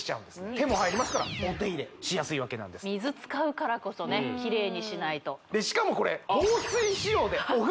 手も入りますからお手入れしやすいわけなんです水使うからこそねキレイにしないとでしかもこれいい！